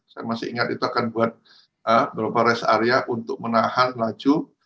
saya masih ingat itu akan buat beberapa rest area untuk menahan laju